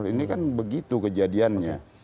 ini kan begitu kejadiannya